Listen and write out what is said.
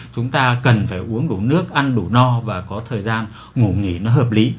chúng ta cần phải uống đủ nước ăn đủ no và có thời gian ngủ nghỉ nó hợp lý